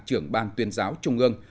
trưởng ban tuyên giáo trung ương